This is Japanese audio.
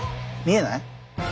見えない？